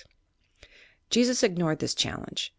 Jesus ignored this challenge.